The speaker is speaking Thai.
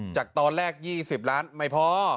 จากตอนแรก๒๐ล้านไม่พอ